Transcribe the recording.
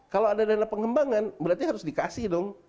kalau ada dana pengembangan berarti harus dikasih dong